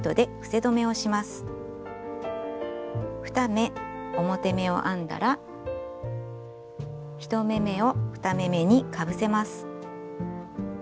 ２目表目を編んだら１目めを２目めにかぶせます。